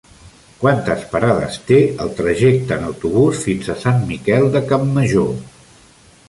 Quantes parades té el trajecte en autobús fins a Sant Miquel de Campmajor?